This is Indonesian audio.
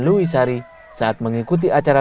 louisari saat mengikuti acara